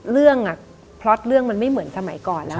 เรื่องเพราะเรื่องมันไม่เหมือนสมัยก่อนแล้ว